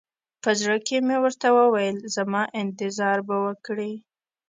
په زړه کښې مې ورته وويل زما انتظار به وکړې.